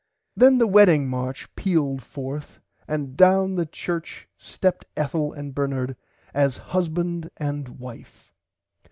Then the wedding march pealed fourth and doun the church stepped Ethel and Bernard as husband and wife.